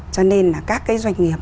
cho nên là các cái doanh nghiệp